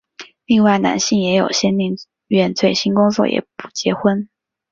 另外男性也有些宁愿醉心工作也不结婚。